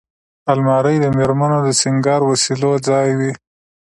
الماري د مېرمنو د سینګار وسیلو ځای وي